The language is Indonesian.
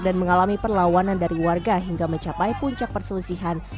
dan mengalami perlawanan dari warga hingga mencapai puncak perselisihan